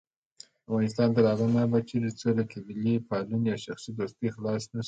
افغانستان تر هغو نه ابادیږي، ترڅو له قبیلې پالنې او شخصي دوستۍ خلاص نشو.